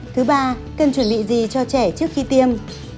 thứ ba cần chuẩn bị gì cho trẻ trước khi tiêm